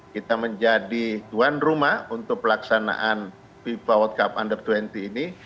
kita menjadi tuan rumah untuk pelaksanaan fiba world cup under dua puluh ini